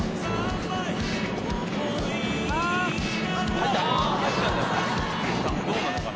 どうなのかな？